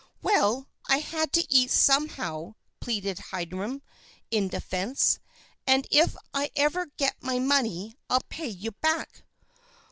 "Well! I had to eat somehow," pleaded Hiram, in defense. "And if I ever get my money, I'll pay you back."